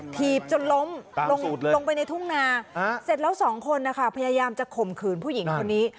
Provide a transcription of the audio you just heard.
ถีบจนล้มลงไปในทุ่งนาเสร็จแล้วสองคนนะคะพยายามจะข่มขืนผู้หญิงคนนี้